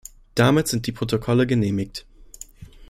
Damit sind die Protokolle genehmigt.